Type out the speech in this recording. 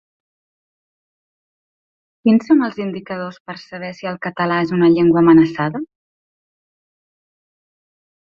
Quins són els indicadors per saber si el català és una llengua amenaçada?